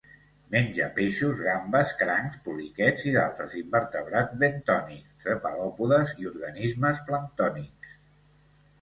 Menja peixos, gambes, crancs, poliquets i d'altres invertebrats bentònics, cefalòpodes i organismes planctònics.